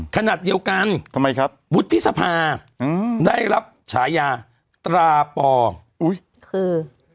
ขนาดเดียวกันวุฒิสภาได้รับฉายาตราปออุ๊ยคือ